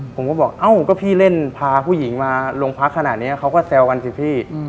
ผมก็บอกเอ้าก็พี่เล่นพาผู้หญิงมาโรงพักขนาดนี้เขาก็แซวกันสิพี่